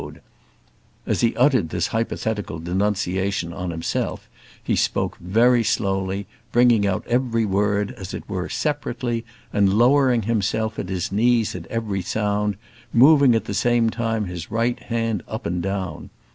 And as he uttered this hypothetical denunciation on himself he spoke very slowly, bringing out every word as it were separately, and lowering himself at his knees at every sound, moving at the same time his right hand up and down.